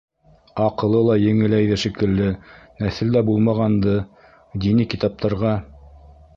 Аҡылы ла еңеләйҙе шикелле, нәҫелдә булмағанды, дини китаптарға